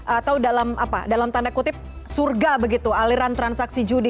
atau dalam tanda kutip surga begitu aliran transaksi judi